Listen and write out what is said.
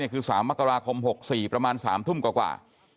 คือ๓มกราคม๖๔ประมาณ๓ทุ่มกว่า